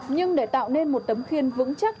nhưng để tạo nên một tấm khiên vững chắc